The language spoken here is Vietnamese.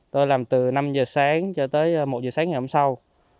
tôi làm từ năm giờ sáng cho tới một giờ sáng ngày hôm sau